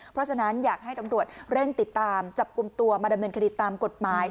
เพราะฉะนั้นอยากให้ตำรวจเร่งติดตามจับกลุ่มตัวมาดำเนินคดีตามกฎหมาย